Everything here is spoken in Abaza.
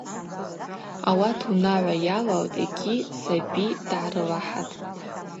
Ауат унагӏва йалалтӏ игьи саби дгӏарылахӏатӏ.